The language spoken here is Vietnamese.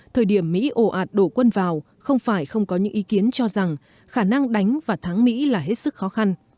thời điểm mỹ ổ ạt đổ quân vào không phải không có những ý kiến cho rằng khả năng đánh và thắng mỹ là hết sức khó khăn